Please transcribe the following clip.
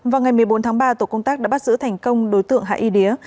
vào ngày một mươi bốn tháng ba tổ công tác đã bắt giữ thành công đối tượng hạ y đía